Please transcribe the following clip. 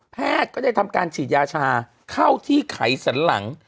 ก็ได้ทำการฉีดยาชาเข้าที่ไขสันหลัง